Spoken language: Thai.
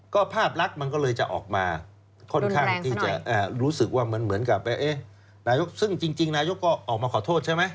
ก็ภาพลักษณ์มันก็เลยจะออกมาค่อนข้างที่จะรู้สึกว่าเหมือนกับว่านายกซึ่งจริงนายกก็ออกมาขอโทษใช่ไหม